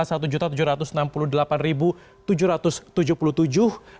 di tempat ketiga ada jawa timur di angka satu tujuh ratus enam puluh delapan tujuh ratus tujuh puluh tujuh